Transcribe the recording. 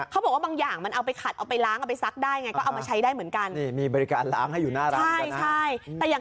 เขาบอกว่าบางอย่างมันเอาไปขัดเอาไปล้างเอาไปซักได้ไงก็เอามาใช้ได้เหมือนกัน